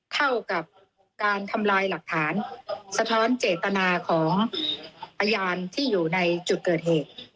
เข้ากับการทำลายหลักฐานสะท้อนเจตนาของพยานที่อยู่ในจุดเกิดเหตุ